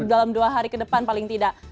ya pak dalam dua hari ke depan paling tidak